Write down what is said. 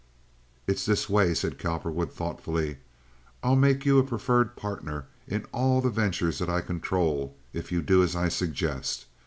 "It's this way," said Cowperwood, thoughtfully. "I'll make you a preferred partner in all the ventures that I control if you do as I suggest.